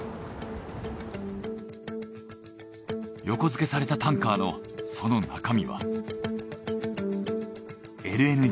横づけされたタンカーのその中身は。